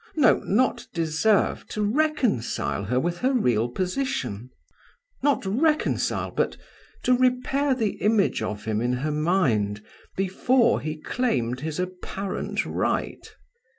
no, not deserve to reconcile her with her real position; not reconcile, but to repair the image of him in her mind, before he claimed his apparent right!